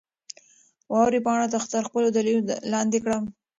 واورې پاڼه تر خپلو دلیو لاندې کړه.